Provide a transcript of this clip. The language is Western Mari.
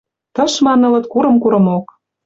Тышман ылыт курым-курымок.